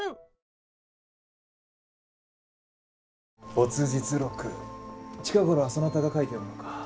没日録近頃はそなたが書いておるのか？